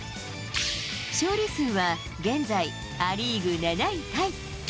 勝利数は現在、ア・リーグ７位タイ。